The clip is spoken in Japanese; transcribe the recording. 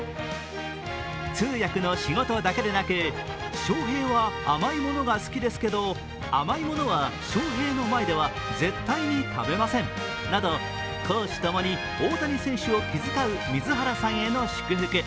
通訳の仕事だけでなく、翔平は甘いものが好きですけど、甘い物は翔平の前では絶対に食べませんなど公私ともに大谷選手を気遣う水原さんへの祝福。